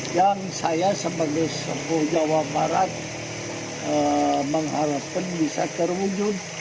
yang saya sebagai sembuh jawa barat mengharapkan bisa terwujud